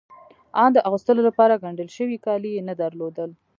آن د اغوستو لپاره ګنډل شوي کالي يې نه درلودل.